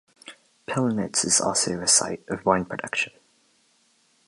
Pillnitz is also a site of wine production.